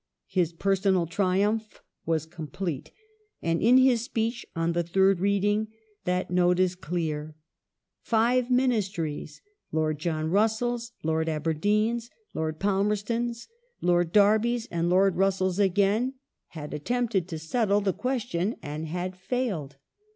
His pei sonal triumph was complete, and in his speech on the third reading that note is clear. Five Ministries — Lord John Russell's, Lord Aberdeen's, Lord Palmerston's, Lord Derby's, and Lord Russell's again — had rf 1867] DISRAELI'S CONDUCT 355 attempted to settle the question and had failed.